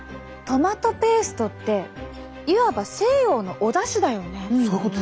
トマトペーストっていわば西洋のおだしだよね！